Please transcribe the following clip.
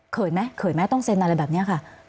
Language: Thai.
ไหมเขินไหมต้องเซ็นอะไรแบบนี้ค่ะ